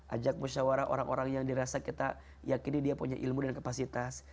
ajak musyawarah orang orang yang dirasa kita yakini dia punya ilmu dan kapasitas